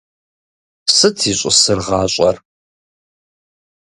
Сыт зищӀысыр гъащӀэр?